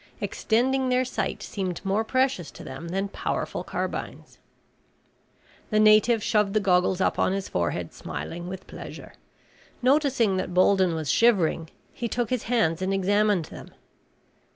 Extending their sight seemed more precious to them than powerful carbines. The native shoved the goggles up on his forehead, smiling with pleasure. Noticing that Bolden was shivering, he took his hands and examined them.